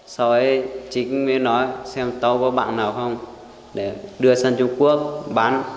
sau ấy chị mới nói xem tấu có bạn nào không để đưa sang trung quốc bán